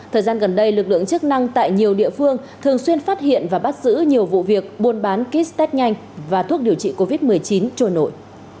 thời gian gần đây lực lượng chức năng tại nhiều địa phương thường xuyên phát hiện và bắt giữ nhiều vụ việc buôn bán kit test nhanh và thuốc điều trị covid một mươi chín trôi nổi